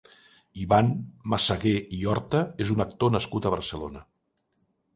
Iván Massagué i Horta és un actor nascut a Barcelona.